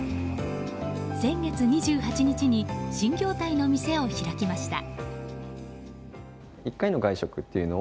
先月２８日に新業態の店を開きました。